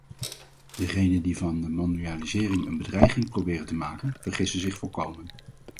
Degenen die van de mondialisering een bedreiging proberen te maken, vergissen zich volkomen.